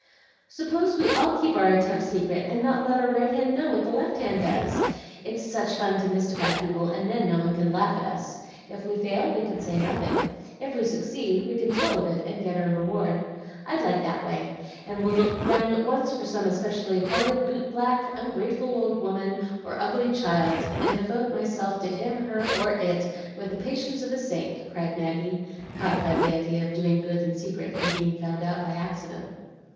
"Suppose we all keep our attempts secret, and not let our right hand know what the left hand does? It's such fun to mystify people, and then no one can laugh at us. If we fail, we can say nothing; if we succeed, we can tell of it and get our reward. I'd like that way, and will look round at once for some especially horrid boot black, ungrateful old woman, or ugly child, and devote myself to him, her, or it with the patience of a saint," cried Maggie, caught by the idea of doing good in secret and being found out by accident.